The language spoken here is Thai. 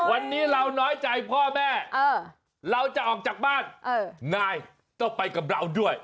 วันนี้เราน้อยใจพ่อแม่เราจะออกจากบ้านนายต้องไปกับเราด้วย